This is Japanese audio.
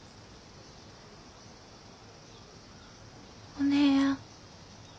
お姉やん。